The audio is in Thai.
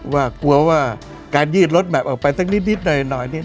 ว่ากลัวว่าการยืดรถแมพออกไปสักนิดหน่อยนี่